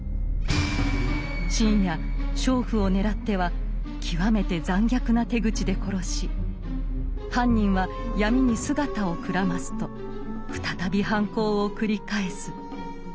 深夜娼婦を狙っては極めて残虐な手口で殺し犯人は闇に姿をくらますと再び犯行を繰り返す。